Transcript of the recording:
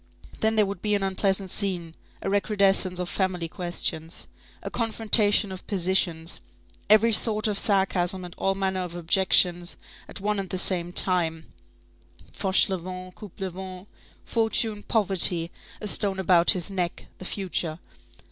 Then there would be an unpleasant scene; a recrudescence of family questions, a confrontation of positions, every sort of sarcasm and all manner of objections at one and the same time, Fauchelevent, Coupelevent, fortune, poverty, a stone about his neck, the future.